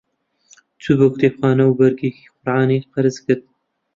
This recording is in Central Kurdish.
چوو بۆ کتێبخانە و بەرگێکی قورئانی قەرز کرد.